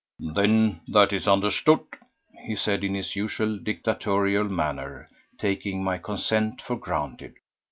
"Then that is understood," he said in his usual dictatorial manner, taking my consent for granted.